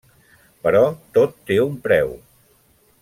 Però tot té un preu.